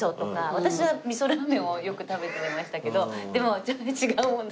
私は味噌ラーメンをよく食べてはいましたけどでもちょっと違うものを。